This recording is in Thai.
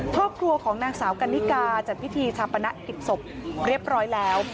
ครอบครัวของนางสาวกันนิกาจัดพิธีชาปนกิจศพเรียบร้อยแล้ว